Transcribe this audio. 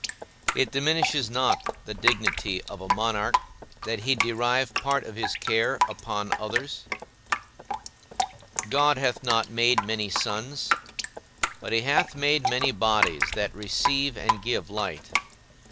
It diminishes not the dignity of a monarch that he derive part of his care upon others; God hath not made many suns, but he hath made many bodies that receive and give light.